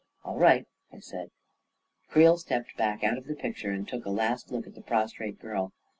" All right," I said. Creel stepped back out of the picture, and took a last look at the prostrate girl.